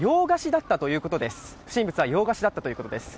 不審物は洋菓子だったということです。